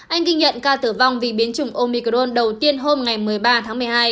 anh ghi nhận ca tử vong vì biến chủng omicron đầu tiên hôm một mươi ba tháng một mươi hai